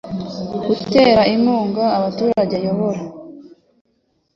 gutera inkunga abaturage ayobora